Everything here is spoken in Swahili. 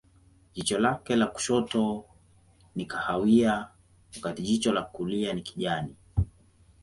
Jicho lake la kushoto ni kahawia, wakati jicho la kulia ni kijani.